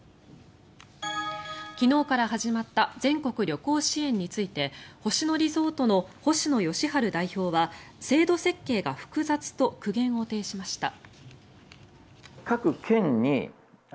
昨日から始まった全国旅行支援について星野リゾートの星野佳路代表は制度設計が複雑と苦言を呈しました。